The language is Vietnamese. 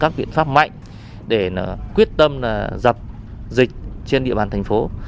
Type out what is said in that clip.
các biện pháp mạnh để quyết tâm dập dịch trên địa bàn thành phố